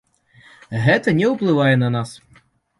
Гэта не ўплывае на нас.